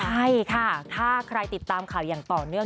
ใช่ค่ะถ้าใครติดตามข่าวอย่างต่อเนื่อง